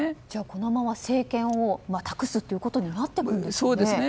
このまま政権を託すことになってくるんですかね。